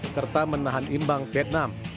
serta menahan imbang vietnam